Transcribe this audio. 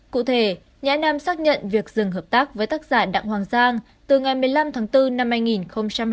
cụ thể nhãn nam xác nhận việc dừng hợp tác với tác giả đặng hoàng giang từ ngày một mươi năm tháng bốn năm hai nghìn một mươi bốn